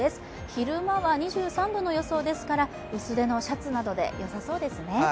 昼間は２３度の予想ですから薄手のシャツなどでよさそうですね。